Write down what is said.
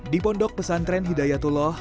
di pondok pesantren hidayatullah